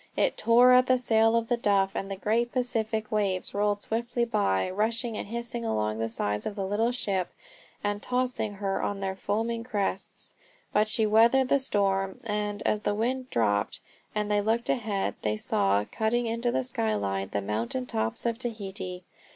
It tore at the sail of The Duff, and the great Pacific waves rolled swiftly by, rushing and hissing along the sides of the little ship and tossing her on their foaming crests. But she weathered the storm, and, as the wind dropped, and they looked ahead, they saw, cutting into the sky line, the mountain tops of Tahiti.